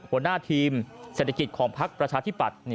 หัวหน้าทีมเศรษฐกิจของพักประชาธิปัตย์